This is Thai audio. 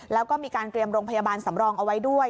แล้วก็มีการเตรียมโรงพยาบาลสำรองเอาไว้ด้วย